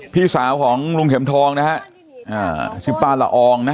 พี่สาวของลุงเข็มทองนะฮะชื่อป้าละอองนะ